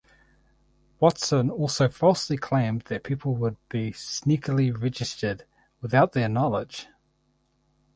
Watson also falsely claimed that people would be sneakily registered without their knowledge.